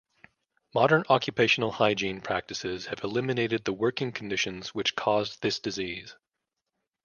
Modern occupational hygiene practices have eliminated the working conditions which caused this disease.